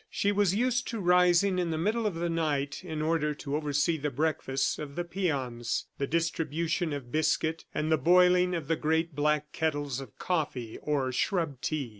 She was used to rising in the middle of the night in order to oversee the breakfasts of the peons, the distribution of biscuit, and the boiling of the great black kettles of coffee or shrub tea.